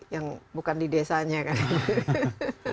yang bukan di desanya kan